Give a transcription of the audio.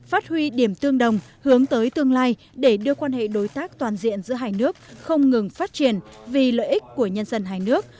phát huy điểm tương đồng hướng tới tương lai để đưa quan hệ đối tác toàn diện giữa hai nước không ngừng phát triển vì lợi ích của nhân dân hai nước